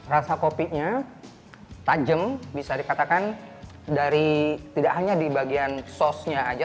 rasa kopinya tajam bisa dikatakan dari tidak hanya di bagian sosnya aja